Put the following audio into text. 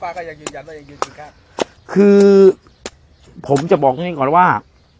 ป้าก็ยังยืนยันแล้วยังยืนข้างคือผมจะบอกอย่างนี้ก่อนว่า